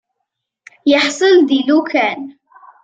Iḥṣel di lukan.